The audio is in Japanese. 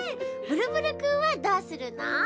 ブルブルくんはどうするの？